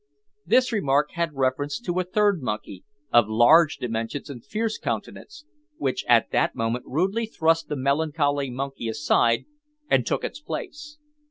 This remark had reference to a third monkey, of large dimensions and fierce countenance, which at that moment rudely thrust the melancholy monkey aside, and took its place.